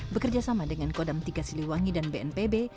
bekerja sama dengan kodam tiga siliwangi dan bnpb